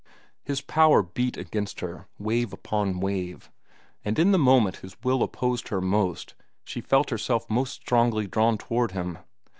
His power beat against her, wave upon wave; and in the moment his will opposed hers most she felt herself most strongly drawn toward him.